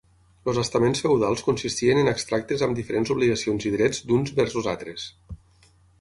Els estaments feudals consistien en extractes amb diferents obligacions i drets d’uns vers els altres.